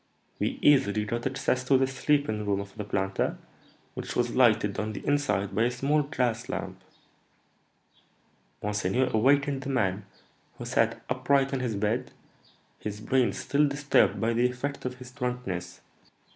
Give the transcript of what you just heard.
We easily got access to the sleeping room of the planter, which was lighted on the inside by a small glass lamp. Monseigneur awakened the man, who sat upright in his bed, his brain still disturbed by the effect of his drunkenness.